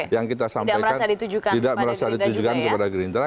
yang kita sampaikan tidak merasa ditujukan kepada gerindra